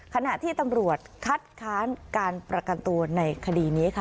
ขณะที่ตำรวจคัดค้านการประกันตัวในคดีนี้ค่ะ